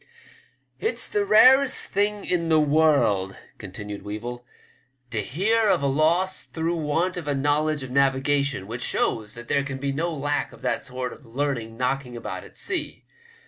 '*It*s the rarest thing in the world," continued Weevil, '* to hear of a loss through want of a knowledge of navigation, which shows that there can be no lack of that sort of learning knocking about at sea.